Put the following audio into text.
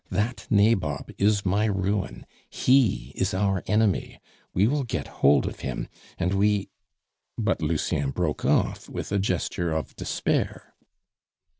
That nabob is my ruin; he is our enemy; we will get hold of him, and we " But Lucien broke off with a gesture of despair.